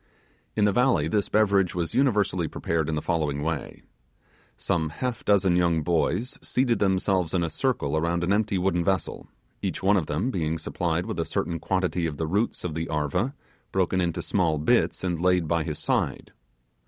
In the valley this beverage was universally prepared in the following way: Some half dozen young boys seated themselves in a circle around an empty wooden vessel, each one of them being supplied with a certain quantity of the roots of the 'arva', broken into small bits and laid by his side.